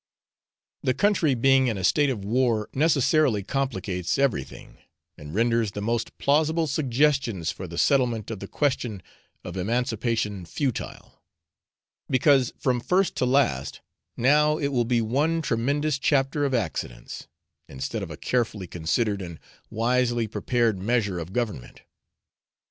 The country being in a state of war necessarily complicates everything, and renders the most plausible suggestions for the settlement of the question of emancipation futile: because from first to last now it will be one tremendous chapter of accidents, instead of a carefully considered and wisely prepared measure of government.